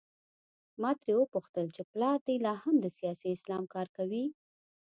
ما ترې وپوښتل چې پلار دې لا هم د سیاسي اسلام کار کوي؟